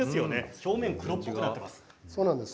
表面が黒っぽくなっています。